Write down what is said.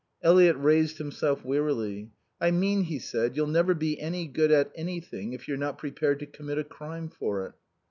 Eliot raised himself wearily. "I mean," he said, "you'll never be any good at anything if you're not prepared to commit a crime for it."